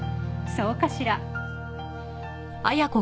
そうかしら？